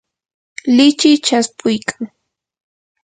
lichiy chaspuykan.